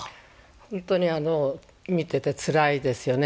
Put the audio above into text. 本当に見ててつらいですよね。